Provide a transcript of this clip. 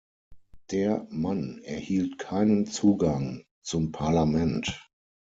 Der Mann erhielt keinen Zugang zum Parlament.